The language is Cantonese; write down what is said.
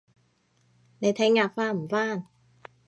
你聽日返唔返